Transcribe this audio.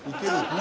何？